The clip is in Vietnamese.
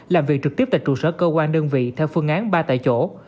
làm việc trực tiếp tại trụ sở cơ quan đơn vị theo phương án ba tại chỗ